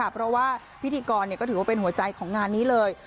เพราะว่าพิธีกรก็ถือว่าเป็นหัวใจของงานนี้เลย